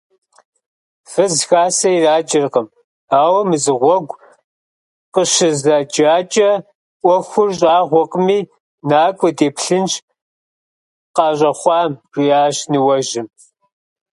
Фыз хасэ ираджэркъым, ауэ мызыгъуэгу къыщызэджакӀэ, Ӏуэхур щӀагъуэкъыми, накӀуэ, деплъынщ къащӀэхъуам, – жиӏащ ныуэжьым.